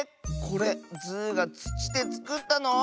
これズーがつちでつくったの？